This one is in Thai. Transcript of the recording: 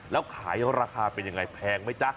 แล้วขายราคาเป็นยังไงแพงไหมจ๊ะ